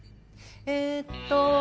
えっと。